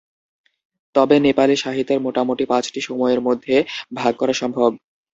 তবে নেপালি সাহিত্যের মোটামুটি পাঁচটি সময়ের মধ্যে ভাগ করা সম্ভব।